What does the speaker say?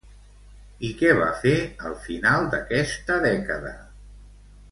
I què va fer al final d'aquesta dècada?